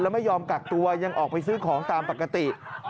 ไม่ยอมกักตัวยังออกไปซื้อของตามปกติ